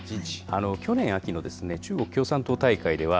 去年秋の中国共産党大会では、